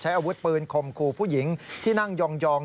อาวุธปืนคมคู่ผู้หญิงที่นั่งยอง